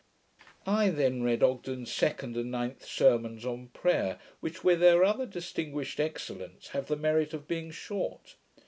I then read Ogden's second and ninth sermons on prayer, which, with their other distinguished excellence, have the merit of being short.